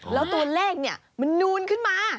แล้วตัวเลขมันนูนขึ้นมา